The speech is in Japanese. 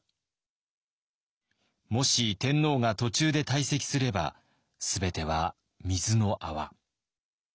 もし天皇が途中で退席すれば全ては水の泡。